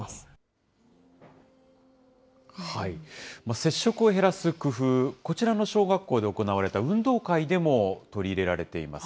接触を減らす工夫、こちらの小学校で行われた運動会でも取り入れられています。